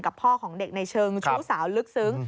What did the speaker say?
พ่อของเด็กในเชิงชู้สาวลึกซึ้ง